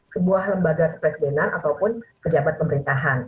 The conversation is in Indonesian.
sebuah lembaga kepresidenan ataupun pejabat pemerintahan